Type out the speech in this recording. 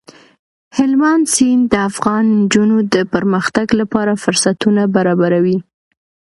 هلمند سیند د افغان نجونو د پرمختګ لپاره فرصتونه برابروي.